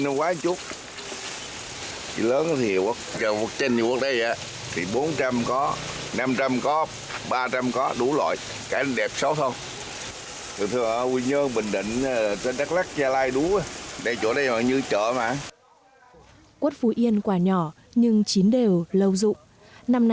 năm nay được mùa xuân mùa xuân mùa xuân mùa xuân mùa xuân mùa xuân mùa xuân mùa xuân mùa xuân mùa xuân mùa xuân mùa xuân mùa xuân mùa xuân mùa xuân mùa xuân